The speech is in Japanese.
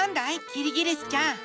キリギリスちゃん。